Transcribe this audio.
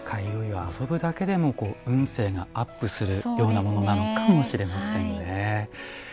遊ぶだけでも運勢がアップするものなのかもしれませんね。